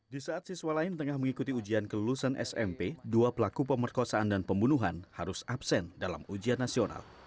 di saat siswa lain tengah mengikuti ujian kelulusan smp dua pelaku pemerkosaan dan pembunuhan harus absen dalam ujian nasional